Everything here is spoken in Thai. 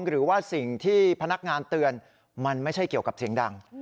หรือว่าสิ่งที่พนักงานเตือนมันไม่ใช่เกี่ยวกับเสียงดัง